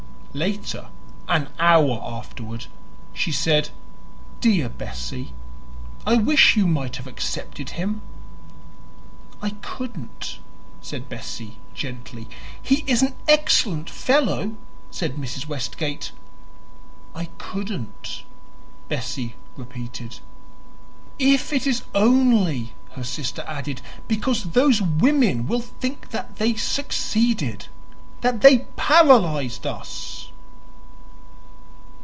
Later, an hour afterward, she said, "Dear Bessie, I wish you might have accepted him." "I couldn't," said Bessie gently. "He is an excellent fellow," said Mrs. Westgate. "I couldn't," Bessie repeated. "If it is only," her sister added, "because those women will think that they succeeded that they paralyzed us!"